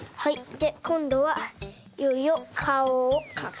でこんどはいよいよかおをかく。